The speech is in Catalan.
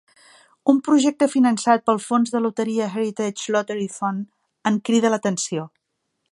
Un projecte finançat pel fons de loteria Heritage Lottery Fund en crida l'atenció.